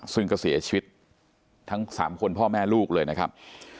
ซึ่งก็เสียชีวิตทั้ง๓คนพ่อแม่ลูกเลยนะครับ